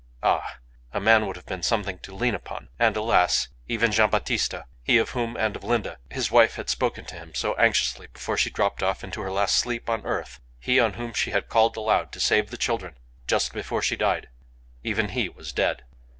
Ah! a man would have been something to lean upon. And, alas! even Gian' Battista he of whom, and of Linda, his wife had spoken to him so anxiously before she dropped off into her last sleep on earth, he on whom she had called aloud to save the children, just before she died even he was dead!